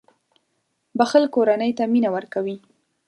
• بښل کورنۍ ته مینه ورکوي.